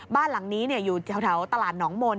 บ้านหลังนี้อยู่แถวตลาดหนองมนต